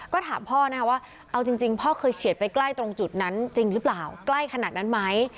ก็ถามพ่อนะคะว่าเอาจริงพ่อเคยเฉียดไปใกล้ตรงจุดนั้นจริงหรือเปล่าใกล้ขนาดนั้นไหม